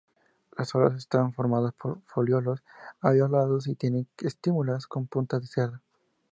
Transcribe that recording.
Las hojas están formadas por foliolos ovalados y tienen estípulas con punta de cerda.